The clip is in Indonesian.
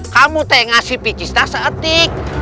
kamu tak ngasih piscis tak se etik